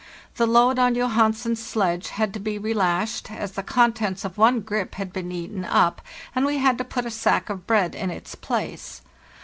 The load on Johansen's sledge had to be relashed, as the contents of one grip had been eaten up, and we had to put a sack of bread in its place.